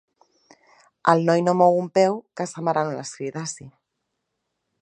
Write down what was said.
El noi no mou un peu que sa mare no l'escridassi.